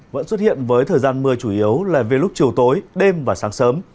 vẫn xuất hiện với thời gian mưa chủ yếu là về lúc chiều tối đêm và sáng sớm